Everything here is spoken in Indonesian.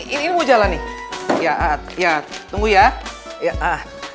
ini mau jalan nih ya ya tunggu ya ya